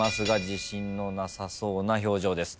自信のなさそうな表情です。